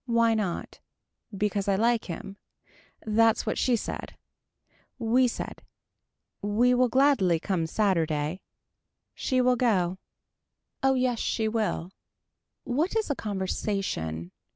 Why not. Because I like him. That's what she said. We said. We will gladly come Saturday. She will go. Oh yes she will. What is a conversation.